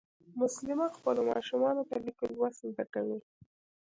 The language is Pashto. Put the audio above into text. مسلیمه خپلو ماشومانو ته لیک او لوست زده کوي